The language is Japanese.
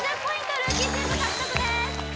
ルーキーチーム獲得です